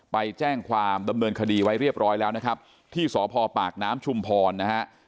ไปแจ้งความดำเนินคดีไว้เรียบร้อยแล้วนะครับที่สพปากน้ำชุมพรนะฮะ